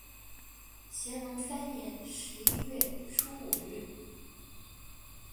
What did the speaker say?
乾隆三年十一月初五日。